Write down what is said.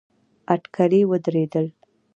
اټکلي ودرېدل.